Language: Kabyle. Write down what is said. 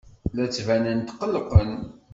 La d-ttbanen tqellqen.